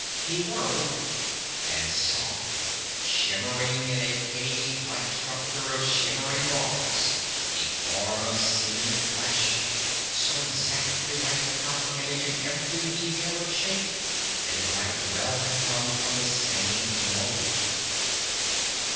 He whirled and saw, shimmering in a cage like structure of shimmering bars, a form of seeming flesh so exactly like the copper image in every detail of shape that it might well have come from the same mold!